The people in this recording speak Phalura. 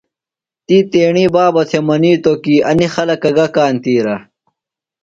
تی تیݨی بابہ تھےۡ منِیتوۡ کی انیۡ خلکہ گہ کانتِیرہ۔